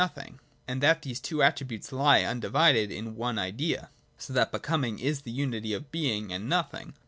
Nothing : and that these two attributes lie undivided in the one idea : so that Becoming is the unity of Being and Nothing.